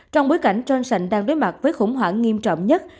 trong bối cảnh johnsh đang đối mặt với khủng hoảng nghiêm trọng nhất